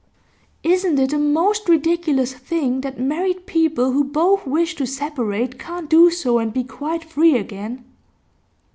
'Isn't it a most ridiculous thing that married people who both wish to separate can't do so and be quite free again?